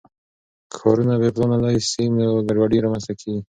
که ښارونه بې پلانه لوی سي نو ګډوډي رامنځته کیږي.